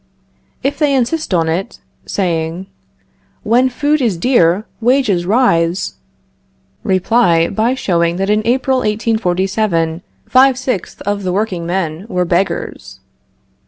If they insist on it, saying: When food is dear, wages rise Reply by showing that in April, 1847, five sixths of the workingmen were beggars.